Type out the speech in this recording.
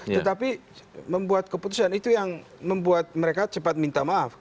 tetapi membuat keputusan itu yang membuat mereka cepat minta maaf